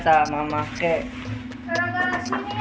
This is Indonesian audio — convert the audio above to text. tarak tarak sini ya tarak tarak sini ya jadi kok orang orang aku nih